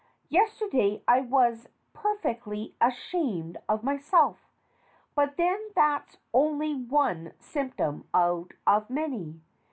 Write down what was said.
Yesterday I was per fectly ashamed of myself. But then that's only one symptom out of many.